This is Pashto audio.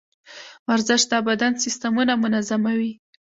ورزش د بدن سیستمونه منظموي.